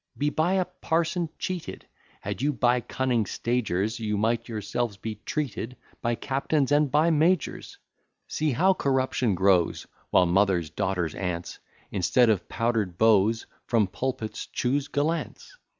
Be by a parson cheated! Had you been cunning stagers, You might yourselves be treated By captains and by majors. See how corruption grows, While mothers, daughters, aunts, Instead of powder'd beaux, From pulpits choose gallants.